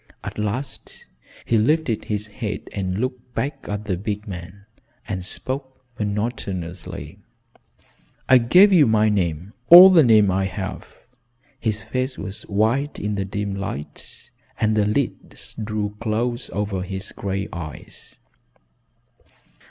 At last he lifted his head and looked back at the big man and spoke monotonously. "I gave you my name all the name I have." His face was white in the dim light and the lids drew close over his gray eyes.